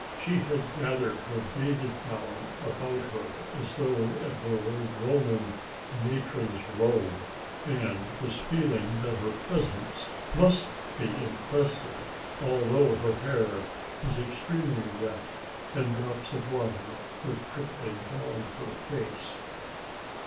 She had gathered her bathing gown about her as though it were a Roman matron's robe and was feeling that her presence must be impressive although her hair was extremely wet and drops of water were trickling down her face.